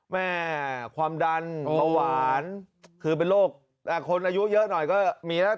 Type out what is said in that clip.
แม่ความดันเบาหวานคือเป็นโรคคนอายุเยอะหน่อยก็มีแล้ว